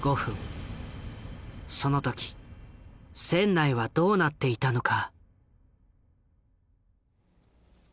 その時船内はどうなっていたのか？